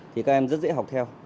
thì các em rất dễ học theo